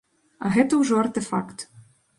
А гэта ўжо артэфакт.